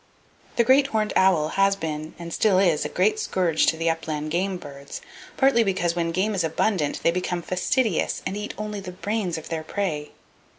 The great horned owl has been and still is a great scourge to the upland game birds, partly because when game is abundant "they become fastidious, and eat only the brains of their prey."